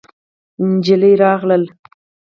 نجلۍ راغله.